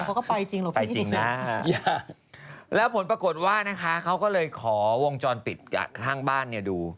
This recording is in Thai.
เขาก็ไปจริงหรือเปล่าไปจริงนะแล้วผลปรากฏว่านะคะเขาก็เลยขอวงจรปิดกับข้างบ้านเนี่ยดู